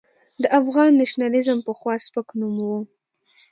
د افغان نېشنلېزم پخوا سپک نوم و.